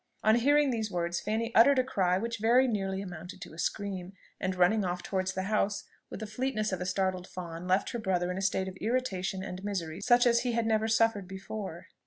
On hearing these words, Fanny uttered a cry which very nearly amounted to a scream, and running off towards the house with the fleetness of a startled fawn, left her brother in a state of irritation and misery such as he had never suffered before.